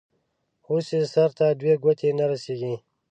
اوس يې سر ته دوې گوتي نه رسېږي.